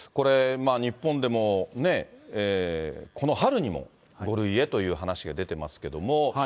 これ、日本でもこの春にも５類へという話が出てますけども。